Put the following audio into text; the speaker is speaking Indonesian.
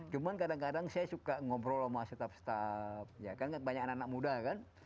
cuman kadang kadang saya suka ngobrol sama staf staf ya kan banyak anak anak muda kan